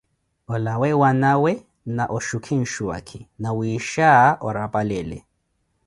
Olawe wanawe na oxhukhe nsuwaakhi, nawiixha warapalele.